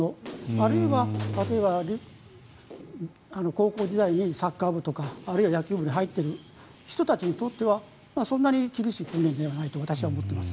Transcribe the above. あるいは、例えば高校時代にサッカー部とかあるいは野球部に入ってる人たちにとってはそんなに厳しい訓練ではないと私は思っています。